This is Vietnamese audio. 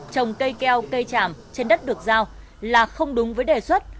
trồng cây keo cây tràm trên đất được giao là không đúng với đề xuất